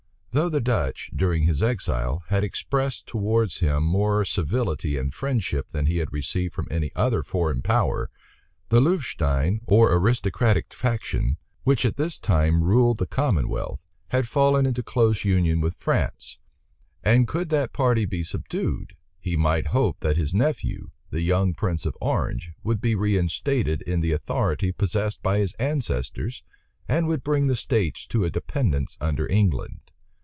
Though the Dutch, during his exile, had expressed towards him more civility and friendship than he had received from any other foreign power, the Louvestein or aristocratic faction, which at this time ruled the commonwealth, had fallen into close union with France; and could that party be subdued, he might hope that his nephew, the young prince of Orange, would be reinstated in the authority possessed by his ancestors, and would bring the states to a dependence under England.